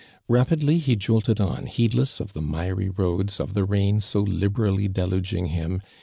Rap idly he jolted on, heedless of the miry roads, of the rain so liberally deluging him.